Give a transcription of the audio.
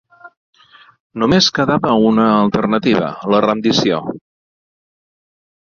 Només quedava una alternativa la rendició.